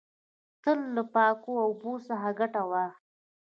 تل له پاکو اوبو څخه ګټه واخلی.